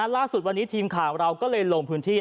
ล่าสุดวันนี้ทีมข่าวเราก็เลยลงพื้นที่